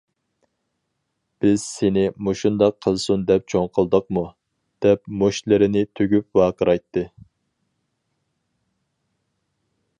بىز سېنى مۇشۇنداق قىلسۇن دەپ چوڭ قىلدۇقمۇ؟- دەپ مۇشتلىرىنى تۈگۈپ ۋارقىرايتتى.